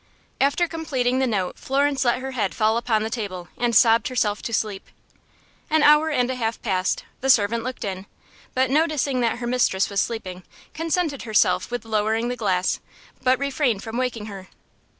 After completing the note, Florence let her head fall upon the table, and sobbed herself to sleep. An hour and a half passed, the servant looked in, but noticing that her mistress was sleeping, contented herself with lowering the gas, but refrained from waking her.